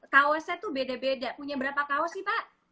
kawasnya tuh beda beda punya berapa kawas sih pak